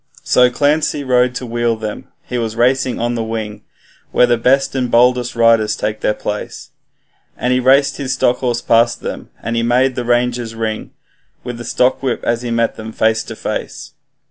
So Clancy rode to wheel them he was racing on the wing Where the best and boldest riders take their place, And he raced his stock horse past them, and he made the ranges ring With the stockwhip, as he met them face to face.